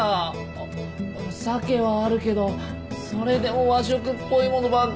あっ鮭はあるけどそれでも和食っぽいものばっかり。